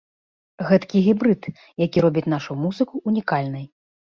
Гэткі гібрыд, які робіць нашу музыку унікальнай.